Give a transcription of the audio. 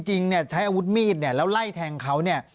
จริงเนี่ยใช้อาวุธมีดเนี่ยแล้วไล่แทงเขาเนี่ย